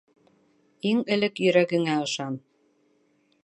Иң элек йөрәгеңә ышан